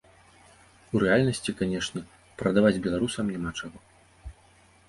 У рэальнасці, канешне, прадаваць беларусам няма чаго.